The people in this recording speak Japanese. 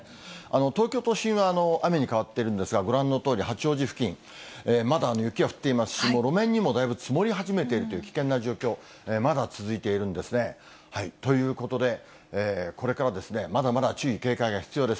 東京都心は雨に変わってるんですが、ご覧のとおり、八王子付近、まだ雪が降っていますし、路面にもだいぶ積もり始めているという危険な状況、まだ続いているんですね。ということで、これからまだまだ注意、警戒が必要です。